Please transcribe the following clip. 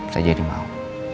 saya jadi mau